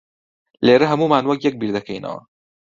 لێرە ھەموومان وەک یەک بیردەکەینەوە.